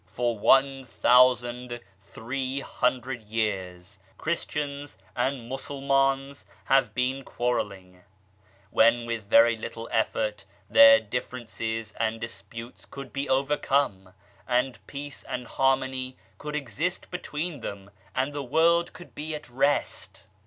For 1,300 years, Christians and Mussulmans have been quarrelling, when with very little effort their differences and disputes could be overcome, and peace and har mony could exist between them and the world could be at rest